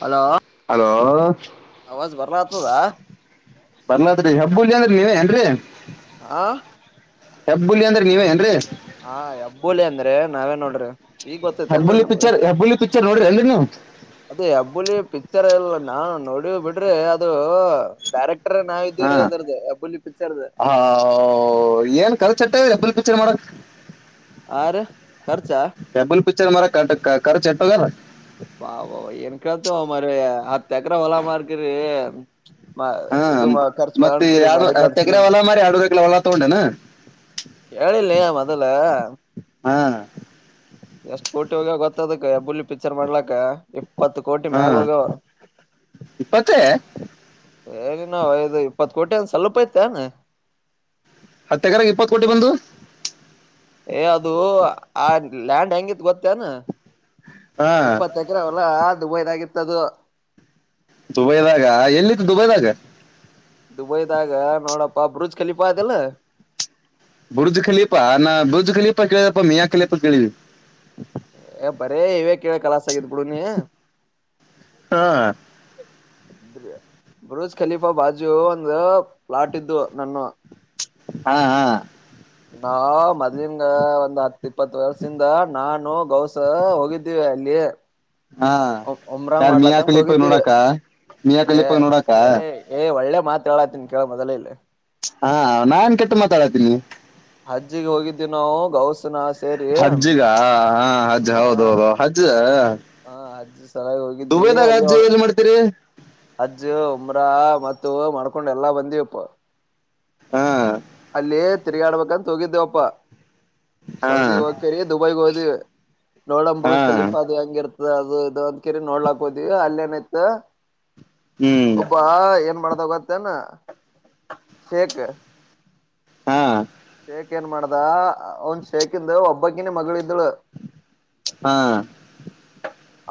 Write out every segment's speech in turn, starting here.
Hello ಹಾ ಅವಾಜ್ ಬರ್್ರ ಆತದಾ ಬರ್ಲದ್ರೀ ಹಬ್ಬುಲ್ ಅಏನ್ಿ ನೀವ ಏನ್ರರಿ ಆ ಹೆಬ್ಬುಲಿ ಅಂದ್ರೆ ನೀವೇ ಏನ್ರರಿ ಹಾ ಯಬ್ಬೋಲಿಿ ಅಂದ್ರೆ ನಾವೇನ್ ನೋಡ್ರಿ ಈಗ ಹೆಬ್ಬಳ್ಳಿ ಪಿಕ್ಚರ್ ಹೆಬ್ಬಳ್ಳಿ ಪಿಕ್ಚರ್ ನೋಡ್ರಿ ನೀವು ಅದ ಹಬ್ಬುಲಿ ಪಿಕ್ಚರ್ ಎಲ್ಲ ನಾು ನೋಡಿ ಬಿಡ್ರೆ ಅದು ಹ ಡೈರೆಕ್ಟರ್ ನಾವ ಹಾ ಇದ್ದೇವ್ರೀ ಅದ್ರದ್ದ ಅಬ್ಬುಲಿ ಪಿಕ್ಚರ್ದ ಓ ಏನ್ ಕಲ್ ಬ್ಬಲ್ ಪಿಕ್ಚರ್ ಮಾಡಕ್ ಆರ ಖರ್ಚ ಚಾರ ಮಾರ ಕ ಚೆಟ್ಟ ಬಾ ವಕಂತ ಮಾರ ಹತ್ತು ಎಕರ ಒಲಾಮರ್ಕ್ಕ್ರ ಮ ಹಾ ಇದು ಮ್- ಖರ್ಚು ಮತ್ತೆ ಮಾಡಕರಿ ಎರಡು ಮಾಡಿದ್ದ ಹತ್ತು ಎಕರೆ ಫಿಲಿಮ್ ಹೊಲ ಮಾರಿ ಎರಡು ಎಕರೆ ಹೊಲ ತಗೊಂಡೇನ ಕೇಳಿಲ್ಲಯ ಮೊದಲ ಹಾ ಎಷ್ಟ್ ಕೋಟಿ ಹೋಗ್ಯವ ಗೊತ್ತದಕ್ಕೆ ಬುಳ್ಳಿ ಪಿಕ್ಚರ್ ಮಾಡ್ಲಕ್ಕ ಇಪ್ಪತ್ತು ಕೋಟಿ ಹಾ ಮ್ಯಾಗ ಹೋಗ್ಯವ ಹ್ಮ್ ಇಪ್ಪತ್ತೇ ಹೇಳಿ ನಾವ್ ಐದು ಇಪ್ಪತ್ ಕೋಟಿ ಅಂದ ಸ್ವಲ್ಪ ಐತಾನ ಹತ್ತೆಕರಗೆ ಇಪ್ಪತ್ ಕೋಟಿ ಬಂದು ಏ ಅದುೂ ಆ ಲ್ಯಾಂಡ್ ಹೆಂಗಿತ್ ಗೊತ್ತೇನ್ ಹಾ ಇಪ್ಪತ್ತ ಎಕರ ಅವಲ್ಲಾ ದುಬೈದಗಿತ್ತದು ದುಬೈದಾಗ ಎಲ್ಲಿಿದ್ದು ದುಬೈದಾಗ ದುಬೈದಾಗ ನೋಡಪ್ಪ ಬರುಜ್ ಕಲಿಪಾ ಆಯತಲ್ಲ ಬುರ್ಜ್ ಕಲಿಯೀಪ ನಾ ಬುರ್ಜ್ ಕಲೀಪಾ ಕೇಳಿದಪ್ಪ ಮೀ ಯಾ ಕಲಿಯಪ ಕೇಳಿ ಏ ಬರೇ ಇವೇ ಕೇಳ ಕಲಸ ಆಗಿದ್ ಬಿುಡು ನೀ ಹಾ ಬರುೂಜ್ ಖಲೀಫಾ ಬಾಜು ಒಂದು ಪ್ಲಾಟ್ ಇದ್ದು ನನ್ನ ಹಾ ಹಾ ಅಲಿಂಗ ಒಂದ್ ಹತ್ ಇಪ್ಪತ್ತು ವರ್ಷಿಂದ ನಾನು ಗೌಸ ಹೋಗಿದ್ದೀವಿ ಅಲ್ಲಿ ಹಾ ಉಮ್ರಂಗ್ ಯಾರ್ ಮಿಯಾ ಮಾಡ್ಲಾಕ್ಕಂತ ಕಲೀಪಾ ತೋಗಿದ್ದೆ ನೋಡಾಕ ಮಿಯಾ ಏ ಕಲೀಪಾ ನೋಡಾಕ ಏ ಏ ಒಳ್ಳೆ ಮಾತ್ ಹೇಳಾತನ್ ಕೇಳ ಮೊದಲೇ ಇಲ್ಲ ಹಾ ನಾನ್ ಕೆಟ್ಟ ಮಾತಾಡತೀನಿ ಅಜ್ಜಿಿಗೆ ಹೋಗಿದ್ದವಿ ನಾವು ಗೌಸ ನ ಹಜ್ಜಗ ಹಾ ಹಜ್ಜ್ ಹೌದ ಹೌದು ಹಜ್ಜ ಹಾ ಅಜ್ಜ್ ಸರಾಗಿ ಹೋಗಿದೀವಿ ಅಲ್ಲಿ ಹಜ್ ಒ ಎಲ್ಲಿ ಮಾಡ್ತೀರಿ ಅಜ್ಜು ಉಮ್ರಾ ಮತ್ತು ಮ್ಕೊಂಡ ಎಲ್ಲಾ ಬಂದಿವಪ್ಪ. ಹಾ ಅಲ್ಲೇ ತಿರುಗಾ ಆಡ್ಬೇಕಂತ ಹೋಗಿದ್ದೇವಪ್ಪ. ಹಾ ಸೌದಿ ಹೋಗಕರಿ ದುಬೈಗೆ ಹೋದ ಹಾ ನೋಡಂಬ್ರೂಸ್ ಲೀಫ ಅದು ಹೆಂಗಿರ್. ಅದು ಇದು ಒಂದ ಕರಿ ನೋಡ್ಲಾಕ್ ಹೋದೀವಿ ಅಲ್ಲ ನಯತ ಹ್ಮ್ ಒಬ್ಬ ಏನ್ ಮಾಡ. ಗತ್ತನಾ ಶೇಕ ಹಾ ಶೇಖ ಏನ್ ಮಾಡ್ದ ಒಂದ್ ಶೇಖ ಇಂದು ಒಬ್ಬಕಿನ ಮಗಳ. [unintelligible] ಹಾ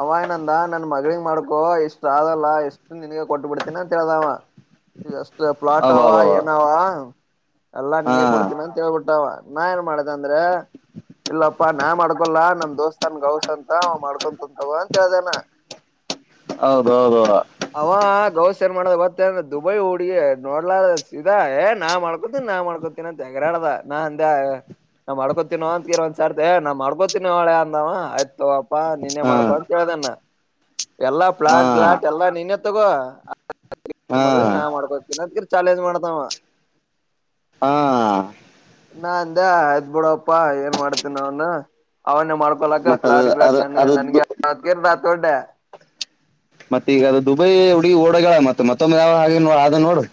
ಅವ ಏನಂದ ನನ್ನ ಮಗ ಮಾಡ್ಕೊ ಇಷ್ಟು ಆದಲ್ಲ ಎಷ್ಟು ನಿನಗ ಕೊಟ್ಬಿಡ್ತೀನ ಅಂತ ಹೇಳ್ದಾವ. ಷ್ಟ ಪ್ಲಾಟ್ ಅವ ಅಬಬ ಏನಾವ ಎಲ್ಲಾ ಹಾ ನಿಂಗೆ ಕೊಡ್ತೀನಿ ಅಂತ ಹೇಳ್ಬಿಟ್ಟಾವ ನಾ ಏನ್ ಮಾಡ್ದ ಅಂದ್ರೆ ಇಲ್ಲಪ್ಪಾ ನಾ ಮಾಡ್ಕೊಲ್ಲಾ ನಮ ದೋಸ್ತ್ ಅನ್ ಗೌಸ್ ಅಂತ ಅವ ಮಾಡ್ಕೊಂತ ತಗ ಅಂತ ಹೇಳ್ದೇನ ಹ [inaudible] ಹೌದ ಹೌದದ. ಮಾಡ ಬತ್ತಏ ದುಬೈ ಹುಡಗ ನೋಡ್ಲಾರ ಸಾ ಏ ನಾ ಮಾಡ್ಕೊತ ನಾ ಮಾಡ್ಕೊತ. ನಂತಗಾರಾಡದ ನಾ ಅಂದ ನಾ್ ಮಾಡ್ಕೋತೀನವ ಅಂತತ್ರ ಒಂದ್ರ್ತೆ ನಾ್ ಮಾಡ್ಕೋತೀನವ ಅವಾಳೆ ಅಂದವ ಆಯ್ತ ಪ್ಪಾ ನಿನ್ನೆ ಹಾ ಮಾಡ್ಬಾ ಅಂತ ಕೇಳ್ದಣ್ಣ ಎಲ್ಲಾ ಹಾ ಪ್ಲಾಟ್ ಬ್ಲಾಟ್ ಎಲ್ಲಾ ನಿನ್ನೆ ತಗೋ ಹಾ ಮಗಳಗ್ ನಾ ಮಾಡ್ಬೇಕ ತಿನದ [inaudible] ಚಾಲಜ ಮಾಡದಾವ ಹಾ ನಾ ಅಂದೆ ಅದ ಬಿಡಪ್ಪಾ ಏನ್ ಮಾಡ್ತನ್ ಅವನು ಅವನ. ಮಾಡ್ಕೊಳಕ ಮತ್ತ ಅದು ಪ್ಲಾಟ್ ಗ್ಲಾಟ್ ಅದು ನ ಅದು ನನ್ಗೆರ್. ಡ್ಡೆ ಮತ್ತ ಈಗ ಅದು ದುಬೈ ಹುಡಗಿ ಓಡಗಳ ಮತ್ತೆ ಮತ್ತೊಂದ ಯಾವ ಹಾಗೆ ನೋ ಅದ ನೋಡು.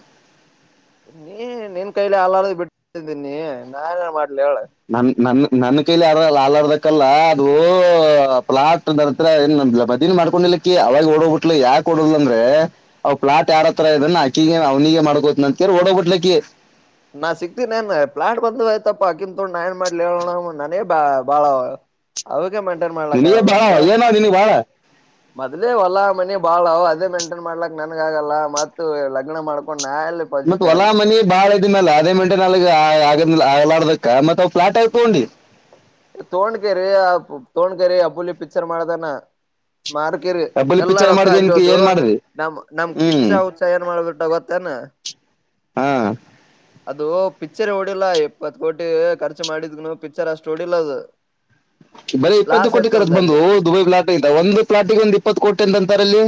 ನೀ ನಿನ್ ಕೈಲಿ ಹಲಾರ್ ಬಿಟ್ಟಿದ್ದೀನಿ ನಾನನ್ನ್ ಮಾಡ ನನ್ ನನ್ ನನ್ನ ಕೈಲಿ ಆ ಹಡದಕ್ಕಲ್ಲ ಅದು ಪ್ಲಾಟ್ರತ್ರ ಬದನ್ ಮಾಡ್ಕೊಂಡ ಅವಾಗ ಹೊಡೋಗಬಿಟ್ ಯಕಕ್ ಹೊಡದ್ ಅಂದ್ರೆ ಅವ್ ಪ್ಲಾಟ್ ಯಾರ ತರ ಇದದ ಆಕಗ ಅವ್ನಿಗೆ ಮಾಡ್ಕೋ. ಕೆ ಓಡಬಟ್ಲಕ್ಕೆ ನಾನ್ ಸಿಕ್ತೀನ ಏನ್ ಪ್ಲಾಟ್ ಬಂದ್ಯತಪ್ಪಾ ಕಿಂತೊಂಡ ನಾ ಏನ್ ಮಾಡ್ಲಿ ಹೇಳೋಣ ನಾನೇ ಬಾ ಬಾಳ. ಅವಿಗೆ ಮೆಂಟೈನ್ ಮಾಡ್ಲಕ್ಕ ನಿನಗೆ ಆಗಲ್ಲ ಬಾಳ ನನ್ಗ ಏನೋ ನಿನಗೆ ಬಾಳ ಮೊದ್ಲೇ ಹೊಲ್ಲಾ ಮನ. ಬಾಳ ಅದೇ ಮೇಂಟೈನ್ ಮಾಡ್ಲಕ್ ನನಗ ಆಗಲ್ಲ ಮತ್ತ ಲಗ್ನ ಮಾಡ್ಕೊಂಡು. ಮತ್ತತ್ ಹೊಲಾ ಮನೀ ಬಾಳ. ಮೇ ಅದೇ ಮಂಟೆ ನಾಲ ಆಗ ಆಲ ಆಡ್ಬೇಕ ಮತ್ತತ್ ಅವ ಫ್ಲಾಟ್ ಆಗ ತಗೊಂಡಿ. ತಗೊಣ್ತೀನಿ ಆ ತಗೊಣ್ತೀನಿ ಅಪ್ಪುಲಿ ಪಿಕ್ಚರ್ ಮಾಡದಾನ ಮಾರುಕೇರಿ ಡಬ್ಬಲ್ ಎಲ್ಲ ಪಿಕ್ಚರ್ ರೊಕ್ಕ ಮಾಡಿದ ಏನ್ ಅಲ್ಲಿಯೋದು ಏನ್ ಮಾಡಿದ್ರಿ ನಮ್ ನಮ್ ಹ್ಮ್ ಕಿಚ್ಚಾ ಹುಚ್ಚ ಏನ್ ಮಾಡ್ಬಿಟ್ಟ ಗೊತ್ತೇನಾ ಹಾ ಅದು ಪಿಕ್ಚರ್ ಓಡಿಲ್ಲ ಎಪ್ಪತ್ ಕೋಟಿ ಖರ್ಚು ಮಾಡಿದ್ನು ಪಿಕ್ಚರ್ ಅಷ್ಟು ಓಡಿಲ್ಲ ಅದು. ಬರೀ ಇಪ್ಪತ್ತು ಲಾಸ್ ಕೋಟಿ ಆಯ್ತ್ ಕರದ ನಂದ ಅಲ್ಲಿ ಬಂದು ದುಬೈ ಪ್ಲಾಟ್ಂತ ಒಂದು ಪ್ಲಾಟಿಗೆ ಒಂದ ಇಪ್ಪತ್ತು ಕೋಟ ಅಂತ ಅಂತಾರೆ ಅಲ್ಲಿ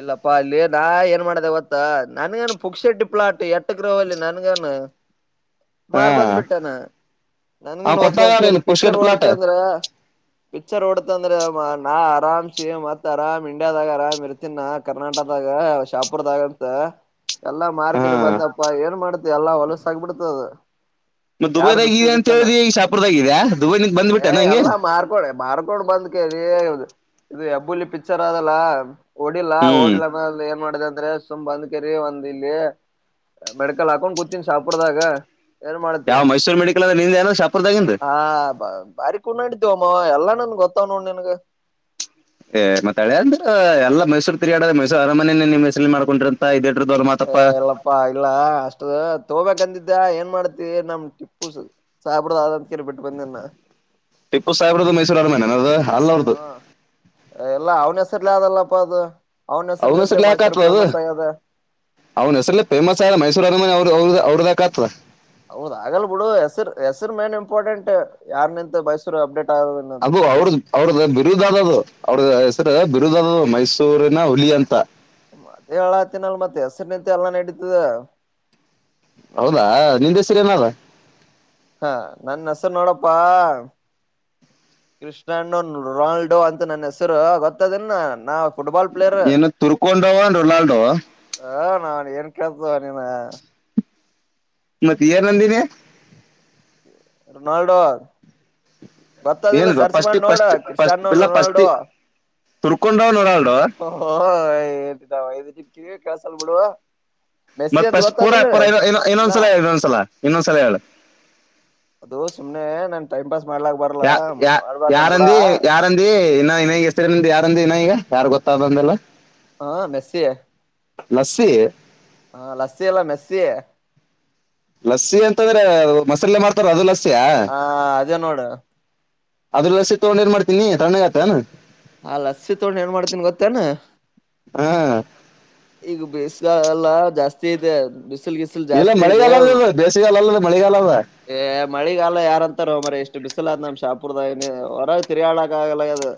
ಇಲ್ಲಪ್ಪಾ ಅಲ್ಲಿ ನಾ ಏನ್ ಮಾಡ್ದ ಗತ್ತ ನನ್ಗೇನು ಪುಕ್ಷ ಶೆಡ್ಟ್ಟಿ ಪ್ಲಾಟ್ ಎಟ್ಟ ಗ್ರೋಲ್ಲಿ ನನ್ಗ. ಹಾ ಮಾರ್ಬಂದ್ ಬಿಟ್ಟಾನ. ಅವ್ ನನ್ಗನ್ ಓದ್ ಅ ಕೊಟ್ಟಾಗ ಕ ಏನು ಪಿಕ್ಚರ್ ಪುಷ್ಕಟ್ ಓಡತ ಪ್ಲಾಟ್ ಅಂದ್ರ ಪಿಕ್ಚರ್ ಓಡ್ತ ಅಂದ್ರ ನಾ. ರಾಮ್ ಸೇ ಮತ್ತೆ ಆರಾಮ ಇಂಡಿಯಾದಲ್ಲಿ ಆರಾಮ್ ಇದೆ ತಿನ್ನ ಕರ್ನಾಟಕದಾಗ ಶಾಪುರದಾಗ ಅಂತ. ಎಲ್ಲಾ ಹಾ ಮಾರ್ಕೆಟ್ ಬಂದಪ್ಪ ಏನ್ ಮಾಡ್ತಿ ಎಲ್ಲಾ ಹೊಲಸ ಆಗಬಿಡ್ತದ. ಮತ್ ಯಾರ್ ದುಬೈದಾಗ ದೃಷ್ಟಿ ಇದೆ ಅಂತ ಬಿತ್ತನ ಹೇಳಿದಿ ಈಗ ಶಾಪುರ್ದಾಗ ಇದ್ಯಾ ದುಬೈನಿಂದ ಏ ಬಂದ್ಬಿಟ್ಟೆನ ಹಂಗೆ ಎಲ್ಲ ಮಾರ್ಕೊಳೆ ಮಾರ್ಕೊಂಡ್ ಬಂದ. ಹೆಬ್ಬುಲಿ ಪಿಚ್ಚರ್ ಇದೇನದು ಓದಿಲ್ಲ ಹ್ಮ್ ಓಡಿ ಏನ್ ಮಾಡಿದೆ ಅಂದ್ರೆ ಸುಮ್ ಅಂದ್ ಕರಿ ಒಂದ್ ಇಲ್ಲಿ ಮೆಡಕಲ್ ಹಾಕೊಂಡ್ ಕುೂತಿನಿ ಶಾಪುರ್ದಾಗ. ಏನ್ ಮಾಡುತ್ತೆ ಯಾವ ಮೈಸೂರ್ ಮೆಡಿಕಲ್ ಅದ ನಿಂದ ಏನೋ ಶಾಪುರ್ದಾಗಿಂದ ಆ ಬ ಬಾರಿ ಕುಣಡಿದ್ದ. ಅಮ್ಮ ಎಲ್ಲ ನನ್ ಗೊತ್ತ ನೋ ನನ್ಗೆ. ಏ್ ಮತ್ತಾಳೆ ಅಂದ್ರ ಎಲ್ಲ ಮೈಸೂರು ತಿಗಡ್ರ ಮೈಸೂರು ಅರಮನನೆೇ ನಿ್ ಮೈಸಲಿ ಮಾಡ್ಕೊಂಡಿ್ರಂತ ಇದದೆ. ಏ ಎಲ್ಲಪ್ಪಾ ಇಲ್ಲ ಅಷ್ಟು. ತಗೋಬೇಕಕ್ಂದಿದ್ದ ಏನ್ ಮಾಡ್ತಿ ನಮ್ ಟಿಪ್ಪು ಸಾಬ್ರದ ಕೇಳಿ ಬಿಟ್ಟು ಬಂದೇನ್ ನಾ ಟಿಪ್ಪು ಸಾಹೇಬರದು ಮೈಸೂರ ಅರಮನೆ ಅದು ಅಲ್ಲ ಅವ್ರದು ಹಾ ಎಲ್ಲಾ ಅವ್ನ ಹೆಸರ್ಲಿ ಆದಲ್ಲಪ್ಪ ಅದು ಅವ್ನ ಅವನ ಹೆಸರಿನಿಂತೆ ಹೆಸರ್ಲಿ ಮೈಸೂರು ಯಾಕತ್ವ ಅದು ಫೇಮಸ್ ಆಗ್ಯದ ಅವ್ನ ಹೆಸರುಲಿ ಫೇಮಸ್ ಆ ಮೈಸೂರ ಅರಮನೆ ಅವ್ರದಕತ್ದ ಹೌದ್ ಆಗಲ್ ಬಿಡು ಹೆಸರು ಹೆಸರು ಮೇನ್ ಇಂಪಾರ್ಟೆಂಟ್ ಯಾರ್ ನಿಂತ ಮೈಸರು ಅಪ್ಡೇಟ್ ಆಗದ ಅನ್ನೋದು ಅದು ಅವ್ರ್ದ ಅವ್ರದ್ದ ಬಿರುದ ಅದು ಅವ್ರದ್ದ ಬಿರುದದು ಮೈಸೂರಿನ ಹುಡುಗಿಅಂತ ಮತ್ತೆ ಮತ್ತೆ ಹೆಸರು ನಿಂತ ಎಲ್ಲ ನಡೀತದ ಹೌದಾ ನಿಂದ ಹೆಸರ ಏನಾದ ಹಾ ನನ್ ಹೆಸರು ನೋಡಪ್ಪಾ ಕ್ರಷ್ಣಂಡೋ ರೊನಾಲ್ಡೊ ಅಂತ ನನ್ನ ಹೆಸರು ಗೊತ್ತದನ್ನ ನಾ ಫುಟ್ಬಲ್ ಪ್ಲೇಯರ್ ಹ ಏನು ತುರ್ಕೊಂಡವ ರೊನಾಲ್ಡೋ ನಾನು ಕಳ್ತಿ ನಿನ ಮತ್ತೆ ಏನಂದಿದೆ ರೊನಾಲ್ಡೋ ಗೊತ್ತದಿಲ್ಲ ಏನ್ ಸರ್ಚ್ ಫಸ್ಟ್ ಮಾಡಿ ನೋಡ ಫಸ್ಟ್ ಫಸ್ಟ್ ಕ್ರಿಶಾನೋ ಇಲ್ಲ ಫಸ್ಟ್ ರೊನಾಲ್ಡೊ ತುರ್ಕೊಂಡವ್ ರೊನಾಲ್ಡೋ ಓ ನಿನಗೆ ಕಿವಿನೆ ಕೆಳಸಲ ಬಿಡು ಮೆಸ್ಸಿ ಮತ್ತತ್ ಅಂತ ಫಸ್ಟ್ ಪೂರಾ ಗೊತ್ತದಿಲ್ಲ ಪೂರ ಇ ಇಲ್ಲ ಇನ್ನೊಂದ್ಸಲ ಹೇಳ ಇನ್ನೊಂದ್ಸಲ ಇನ್ನೊಂದ್ಸಲ ಹೇಳು ಅದು ಸುಮನೆ ನನ್ ಟೈಮ್ ಪಾಸ್ ಮಾಡ್ಲಾಕ್ ಬರಲ್ಲ ಯ ಯ ಮಾಡ್ಬಾರ್ದ ನನ್ ಕೂಡ ಯಾರಂದಿ ಯಾರಂದ ಇನ್ನ ಇನ್ನ ಈಗ ಹೆಸರಿಿಂದ ಯಾರಂದ ಇನ್ನ ಈಗ ಯಾರು ಗೊತ್ತಾದಂದಲ್ಲ ಹಾ ಮೆಸ ಲಸ್ಸಿ ಹಾ ಲಸ್ಸಿ ಎಲ್ಲ ಮೆಸ್ಸಿ ಲಸ್ಸಿ ಅಂತಂದ್ರೆ ಮಸರಲೆ ಮಾಡ್ತಾರ ಅದು ಲಸ್ಸಿ ಹಾ ಅದೇ ನೋಡ ಅದ್ರಲ್ಲಸಿ ತಗೊಂಡ ಏನ್ ಮಾಡ್ತೀನಿ ತಣಗತನ್ ಹಾ ಲಸಿ ತಗೊಂಡ ಏನ್ ಮಾಡ್ತೀನ್ ಗೊತ್ತೇನಾ ಹಾ ಈಗ ಬೇಸ್ಗ ಎಲ್ಲ ಜಾಸ್ತಿ ಐತೆ ಬ್ ಹಲ್ ಗಿಸಲ್ ಇಲ್ಲ ಜಾಸ್ತಿ ಇದೆ ಮಳೆಗಾಲ ಅದ ಇದು, ಬೇಸಿಗೆಗಾಲ ಅಲ್ಲದ ಮಳೆಗಾಲ ಅದ ಮಳೆಗಾಲ ಯಾರಂತಾರ ಮರ ಎಷ್ಟು ಷ್ಟ ಬಿಸಲ ಅ ನಮ್ ಶಾಪುರ್ದ ಹೊರ ತಿರಿಯಾಳಕ್ಕ ಆಗಲ್ಲ ಅದು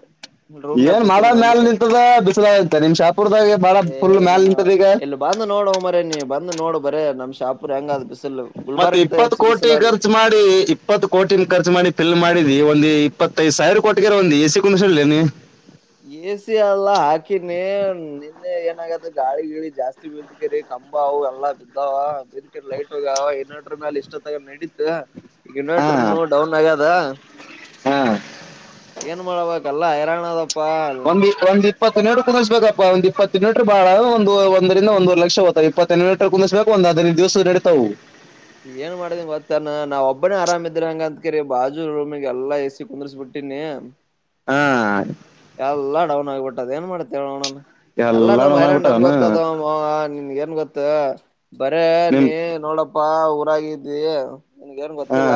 ಏನ್ ಮಾಡೋ ಮ್ಯಾಲ ನಿಂತದ ಬಿಸದತ್ತ ನಿಮ್ ಶಾಪುರ್ದಾಗೆ ಬಾಳ ಫುಲ್ ಮ್ಯಾಲ ಏನ ನಿಂತದ ಈಗ ಇಲ್ಲಿ ಬಂದು ನೋಡುವ ಮರೇ ನೀ ಬಂದು ನೋಡು ಬರೇ ನಮ್ ಶಾಪರ್ ಹೆಂಗಾದ್ ಬಿಸಲ್ ಮತ್ತೆ ಇಪ್ಪತ್ ಕೋಟಿ ಖರ್ಚ ಮಾಡಿ ಇಪ್ಪತ್ತು ಕೋಟಿ ಖರ್ಚು ಮಾಡಿ ಫಿಲ್ ಮಾಡಿದ ಇವ ಒಂದು ಇಪ್ಪತ್ತದ್ ಸಾವಿರ ಕೊಟ್ಟಗರ ಒಂದು ಎ ಸಿ ಕುಣಸಲ್ಲ ನೀ ಎಸಿ ಎಲ್ಲ ಹಾಕಿನೇ ಇ ಏನಾಗತ್ತ ಗಾಳಿ ಗಿಳ ಜಾಸ್ತಿ ಬದಕರಿ ಕಂಬ ಎಲ್ಲಾ ಬಿದ್ದಾವ ಬಿದಕರಿ ಲೈಟ್ ಹೋಗ. ಇನ್ನಡರ ಮ್ಯಾಲ ಇಷ್ಟೊ ತಗ್ ನಡಡಿತ. ಈ ಹಾ ಇನ್ವರ್ಟರ್ನು ಡೌನ್ ಆಗ್ಯದಾ. ಹಾ ಏನ್ ಮಾಡ್ಬೇಕಲ್ಲ ಹೈರಾಣದ. ಒಂದ ಈಸ್ಟ್ ಇಪ್ಪರ್ ಕುದಿಸ್ಬೇಕಪ್ಪ ಒಂದ ಇಪ್ಪತ್ತ ಮೀಟರ್ ಬಾಳ ಒಂದು ಒಂದರಿಂದವರೆ ಲಕ್ಷತ ಇಪ್ಪತ್ತ ಮೀಟರ್ ಕುದ್ಬೇಕ ಒಂದು. ಅದಿನ ದಿವಸ ನೆಡಿತವು. ಏನ್ ಮಾಡ್ದಿಂಗ ಗೊತ್ತಾನ ನಾವ್ ಒಬ್ಬನೇ ಆರಾಮ ಇದಿದ್ರೆ ಹಂಗ ಅಂತ ಕರಿ ಬಾಜು ರೂಮಿಗೆ ಎಲ್ಲಾ ಎಸಿ ಕುಂದ್ರರಿಸಸ್ಬ ಬಿಟ್ಟಿ. ಹಾ ಎಲ್ಲಾ ಡೌನ್ ಆಗಬಿಟ್ಟದ ಏನ್ ಮಾಡ್ತ್ತೇವೆ ನೋಣ. ಎಲ್ಲ ನಮ್ ಡೌನ್ ಹೈರಾಣ್ ನಮ್ಗ ಆಗ್ಬಿಟ್ಟವನು ಗೊತ್ತದ [inaudible] ನ್ ಏನ್ ಗೊತ್ತ ಬರೇ ನೀ ನಿಮ್ ನೋಡಪ್ಪಾ ಊರಾಗಿದ್ದಿ ನಿನಗೇನ ಹಾ ಗೊತ್ತಿಲ್ಲ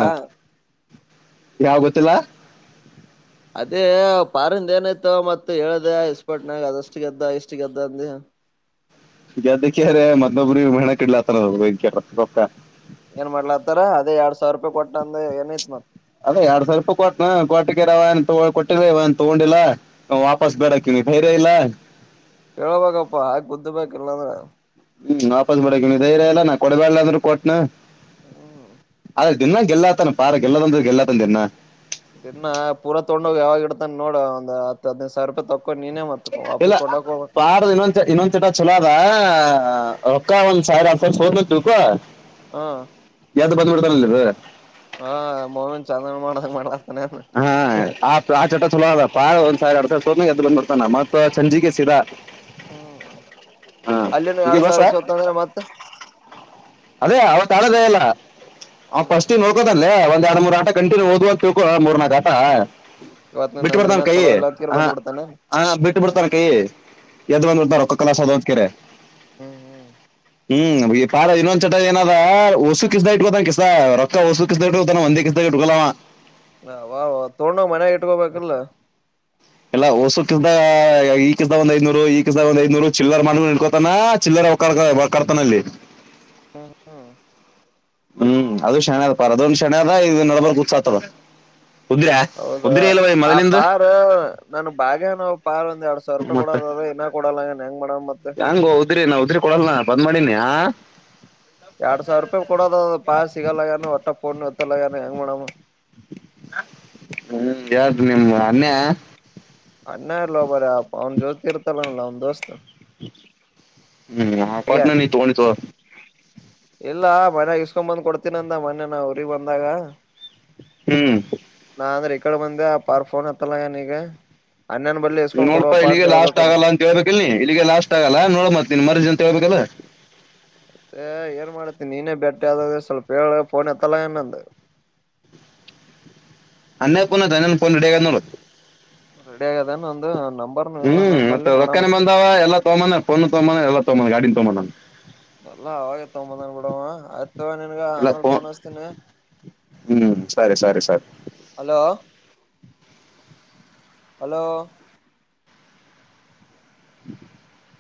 ಯಾವ ಗೊತ್ತಿಲ್ಲ ಅದೇ ಪಾರಿಂದ ಏನಾಯ್ತು ಮತ್ ಹೇಳ್ದ ಇಸ್ಪಾಟ್ನಾಗ ಅದಷ್ಟು ಗೆದ್ದ ಇಷ್ಟ ಗೆದ್ದ ಅಂದ ಹ್ಮ್ ಈಗ ಅದಕ್ಕೆರೀ ಮತೂಬ್ರಿಗ ಮಣಕಡ್ಲಾತನರಿ ರೂಕ್ಕ ಏನ್ ಮಾಡ್ಲಾತ್ತಾರ ಅದೇ ಎರಡ್ ಸಾವಿರ ರೂಪಾಯಿ ಕೊಟ್ಟ ಅಂದ ಏನೈತ್ ಮನ್ ಅದೇರಡ ಸಿವಿರ ರೂಪಾಯಿ ಕೊಟನ ಕೊಟಿಕ್ಕೆರವ ಏನ ಕೊಟ್ಟಿದ್ರೆನ್ ಇವ ತಗೊಂಡಿಲ್ಲ ವಾಪಸ್ ಬೇಡಕ ಇವನಿಗ ಧೈರ್ಯ ಇಲ್ಲ ಕೇಳಬೇಕಪ್ಪಾ ಯಾಕೆ ಬುದ್ದ ಬ ಇಲ್ಲಂದ್ರ. ಹ್ಮ್ ನಾಪಸ್ ಬಿಡ ನೀ ಧೈರ್ಯ ಎಲ್ಲಾ ಕೊಡಬ್ಯಾಳ್ ಅಂದ್ರರು ಕೊಟ್ನೆ. ಹ್ಮ ದಿನ ಗೆಲ್ಲಾತಾನ ಪಾರ ಗೆಲ್ಲದಂದ ಗೆಲ್ಲಲತಾನ ದಿನ ಇದನ್ನ ಪೂರ ತೊಂಗೋಂಡೂಗಿ ಯಾವಾಗ ಇತಾನ ನೋಡ ಒಂದ ಹದಿನೈದು ಸಾವಿರ ರೂಪಾಯಿ ತೊ ಇಲ್ಲ ಪಾರದ ಇನ್ನೊಂದು ಇನ್ನೊಂದ ಚಟ ಚಲೋ ಅದ ರೂಕ್ಕ ಒಂದ ಸಾವಿರ ಅತ್ತ ಸಾವಿರ ಸೋತ ಅಂತ ತಿಳಕೋ ಹಾ ಇದು ಹಾ ಮೋಹನ್ ಚಂದ ಮಾಡ ಮಾಡ ಹಾ ಆ ಆ ಚಟ್ಟ ಚಲೋಪ್ಪಾ ಒಂದ್ ಸಾವಿರ ಎರಡ ಅದ್ ಬ್ ಬರ್ತಾನ ಮತ್ತತ್ ಚಂಜಿಗೆ ಸಿದಾ ಹ್ಮ್ ಅಲ್ಲಿನ ಈಗ ಎರಡ್ ಸಾವಿರದ ಗೊತ್ತಾ ಸ್ವತ್ತೊಂದ್ರ ಮತ್ತ ಅದೇ ಅವತ್ ಆಡೋದ ಎಲ್ಲ ಹ್ಮ್ ಫಸ್ಟ್ ನೋಡ್ಕೋದಲ್ಲೇ ಒಂದ ಎರಡು ಮೂರು ಆಟ ಕಂಟಿನ್ಯ ಓದೂವಂತ ತೀಳಕೂ ಮೂರ್ನಾಲ್ಕು ಆಟ ಇವತ್ ಬಿಟ್ಟು ನನ್ ಬರ್ತಾನ ದಿನ ಕೈ ಚಲೋ ಇಲ್ಲ ಅಂತ್ಕೇರ್ ಹ ಬಂದ್ ಬಿಡ್ತಾನ ಹ ಬಿಟ್ಟು ಬರ್ತಾನ ಕೈ ಎದ್ದ ಹ್ಮ್ ಬಂದಿಡ್ತಾರೂಕ್ಕ ಹ್ಮ್ ಕಲಾ ಸದೋದಕರೆ ಹ್ಮ್ ಹ್ಮ್ ಹ್ಮ್ ಈ ಪಾರ ಇನ್ನೂಂದ ಚಟ ಏನಾದ ಹೊಸು ಕಿಸದಗ ಇಟ್ಕೋದ ಕಿಸದಗ ರೊಕ್ಕ ಹೊಸು ಕಿಸ್ದ ಇಕತಾನ ಒಂದೇ ಕಿಸದಗ ಇಟ್ಕೋವ ಅಬ್ಬಬ್ಬ ತೋಂಡ ಹೋಗಿ ಮನ್ಯಾಗ ಇಟ್ಕೋಬೇಕಲ್ಲ ಎಲ್ಲ ಹೊಸು ಕ ಈ ಕಿಸದಗ ಒಂದ್ ಐದನೂರು ಈ ಕಸದಗ ಒಂದ್ ಐದನೂರು ಚಿಲ್ಲರ್ ಮಾಡ ಇಡ್ಕೋತಾನ ಚಿಲ್ಲ ಕರ್ ಕರ್ತನಲ್ಲಿ ಹ್ಮ ಹ್ಮ್ ಹ್ಮ್ ಅದು ಶಣೆ ಆಗ್ ಪಾರ ಅದೊಂದ ಶಣೆ ಅದ ಇದು ನಡ್ಬರ್ಕ್ ಉತ್ಸಾತದ ಉದ್ರ್ಯಾ ಹೌದಾ ಉದ್ರಿ ಇಲ್ವ ಈ ಆ ಮೊದಲಿಂದ ಪಾರ್ ನನ್ ಬಾಗ್ಯ ನೋವು ಪಾರ್ ಒಂದ್ ಎರಡ್ ಸಾವಿರ ರೂಪಾಯಿ ಕೊಡದದ ಹಂಗ ಉದ್ರಿ ನಾ ಉದ್ರಿ ಕೊಡಲ್ಲ ಬಂದ್ ಮಾಡಿನಿ ಹಾ ಪಾಲ ಸಿಗಲ್ಲಾಗನು ಹೊಟ್ಟಫೋನನೂ ಏತ್ತಲ್ಲಾನ ಹೆಂಗ ಮಾಡಾಮ ಹ್ಮ ಯಾವ್ದು ನಿಮ ಅನ್ಯ ಅನ್ಯ ಅಲ್ಲ ಬರ ಅಪ್ಪ ಅವ್ನ ಜ್ಯೋತಿ ಇರ್ತಲ್ಲಲ್ಲ ಅವ್ನ್ ದೋಸ್ತ್ ಹ್ಮ್ ಕೊಟ್ಟನ ನೀ ತಗೊಂಡ ತೂ ಇಲ್ಲ ಮನ್ಯಾಗ ಇಸ್ಕೊಂಡ್ ಬಂದ್ ಕೊಡ್ತೀನಂದ ಮನೆನಾ ಊರಿಗ ಬಂದಾಗ ಹ್ಮ್ ಇ ಕಡೆ ಬಂದೆ ಆ ಪಾರ ಫೂನ್ ಹತ್ತಲ್ಲ ನಗೆ ನೀ ನೋಡ್ಪಾ ಇಲ್ಲಿಗೆ ಲಾಸ್ಟ್ ಆಗಲ್ಲ ಅಂತ ಕೇಳ್ಬೇಕಲ್ ನೀ ಇಲ್ಲಿಗೆ ಲಾಸ್ಟ್ ಆಗಲ್ಲ ನೋಡ್ ಮತ್ನ್ ಮ ಕಲ್ಲ ಮತ್ತೆ ಏನ್ ಮಾಡಾತೀನಿ ನೀನೇ ಬೇಟ್ಟೆ ಆದಾಗ ಸ್ವಲ್ಪ ಹೇಳ ಫೋನ್ ಎತ್ತಲ್ಲ ಏನಂದ ಅನ್ನೇ ಪನ್ದು ಅನ್ನ ಪೊಡಗ ನೋಡು ರೆಡಿ ಆಗದ ಒಂದು ಹ್ಮ್ ಮತ್ತ ರೊಕ್ಕಾನೆ ಬಂದವ ಎಲ್ಲ ತಗೋಾನ ಫೋನ್ ತಗೊಾನ ಎಲ್ಲ ತಗೊೋ ಗಾಡಿನನ್ ತಗೋಾನನ್ ಅಲ್ಲಾ ಅವಾಗೈತ್ಂಬದಂಗ ಬಿಡವ ಆಯ್ತವ ನಿನ್ಗ ಆಮೇಲ್ ಫೋನ್ ಹಸ್ತೀನಿ ಹ್ಮ್ ಸರಿ ಸರಿ ಸರಿ ಹಲೋ ಹಲೋ [unintelligible]